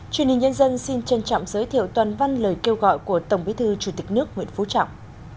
truyền hình nhân dân xin trân trọng giới thiệu toàn văn lời kêu gọi của tổng bí thư chủ tịch nước nguyễn phú trọng